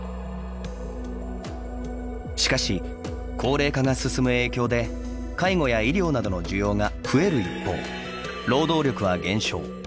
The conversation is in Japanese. しかし高齢化が進む影響で介護や医療などの需要が増える一方労働力は減少。